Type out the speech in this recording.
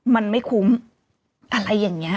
มันไม่คุ้มอะไรอย่างนี้